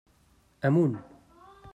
Amunt.